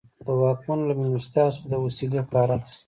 واکمنو له مېلمستیاوو څخه د وسیلې کار اخیست.